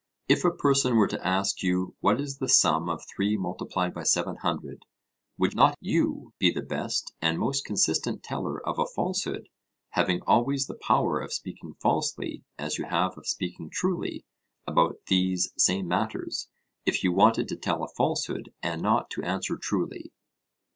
If a person were to ask you what is the sum of 3 multiplied by 700, would not you be the best and most consistent teller of a falsehood, having always the power of speaking falsely as you have of speaking truly, about these same matters, if you wanted to tell a falsehood, and not to answer truly?